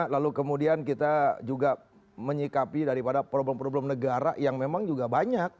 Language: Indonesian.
lalu kemudian kita juga menyikapi daripada problem problem negara yang memang juga banyak